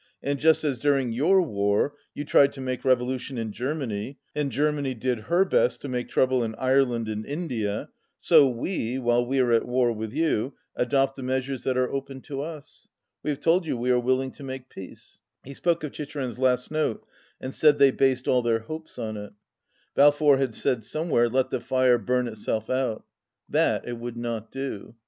And just as during your war you tried to make revolution in Germany, and Germany did her best to make trouble in Ireland and India, so we, while we are at war with you, adopt the meas ures that are open to us. We have told you we are willing to make peace.' " He spoke of Chicherin's last note, and said they based all their hopes on it. Balfour had said somewhere, "Let the fire burn itself out." That it 224 would not do.